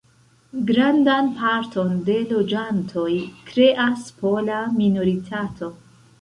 Grandan parton de loĝantoj kreas pola minoritato.